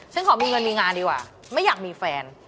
ขอมีเงินมีงานดีกว่าไม่อยากมีแฟน